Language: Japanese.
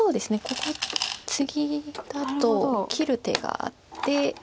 ここツギだと切る手があって。